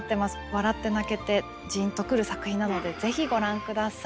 笑って泣けてじんとくる作品なのでぜひご覧下さい。